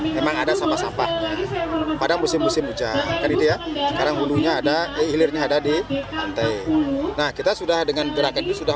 memang menurut saya itu tidak terlalu anus sih